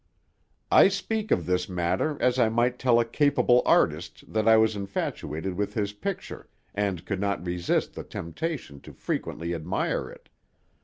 "I speak of this matter as I might tell a capable artist that I was infatuated with his picture, and could not resist the temptation to frequently admire it.